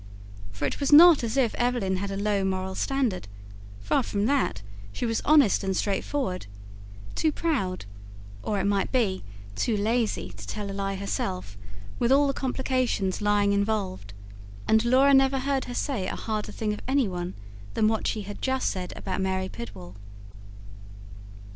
For it was not as if Evelyn had a low moral standard; far from that: she was honest and straightforward, too proud, or, it might be, too lazy to tell a lie herself with all the complications lying involved and Laura never heard her say a harder thing of anyone than what she had just said about Mary Pidwall.